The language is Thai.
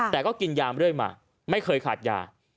แต่ก็กินยาเรื่อยมาไม่เคยขาดยา